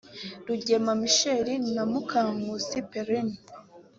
Rugema Michel na Mukankusi Perrine